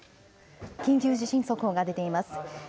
緊急地震速報が出ています。